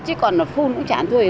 chứ còn phun cũng chả ăn thua gì đâu